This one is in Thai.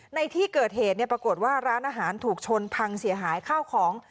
ในที่เกิดเหตุปรากฏว่าร้านอาหารถูกชนพังเสียหายข้าวของ